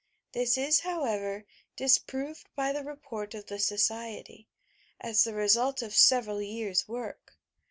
This is, how ever, disproved by the report of the Society, as the re sult of several years' work.